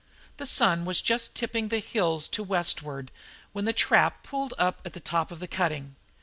The sun was just tipping the hills to westward when the trap pulled up at the top of the cutting.